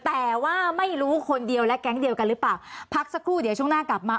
แต่ว่าไม่รู้คนเดียวและแก๊งเดียวกันหรือเปล่าพักสักครู่เดี๋ยวช่วงหน้ากลับมา